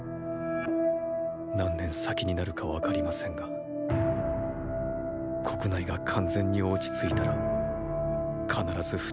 何年先になるか分かりませんが国内が完全に落ち着いたら必ず二人と引き合わせます。